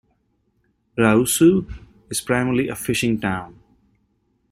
Rausu is primarily a fishing town.